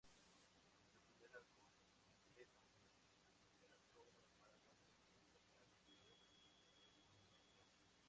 Su primer álbum "Es así" se lanzó unas semanas antes del certamen de eurovisión.